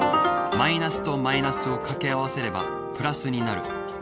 マイナスとマイナスを掛け合わせればプラスになる。